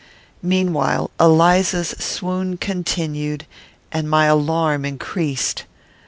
Meanwhile, Eliza's swoon continued, and my alarm increased.